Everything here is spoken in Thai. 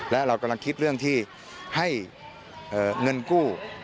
และเรากำลังคิดเรื่องที่ให้เงินกู้